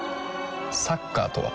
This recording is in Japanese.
サッカーとは？